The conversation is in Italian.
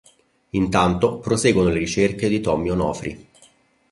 Intanto proseguono le ricerche di Tommy Onofri.